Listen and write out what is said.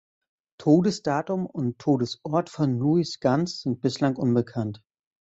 Todesdatum und Todesort von Louis Gans sind bislang unbekannt.